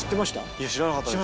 いや知らなかったです。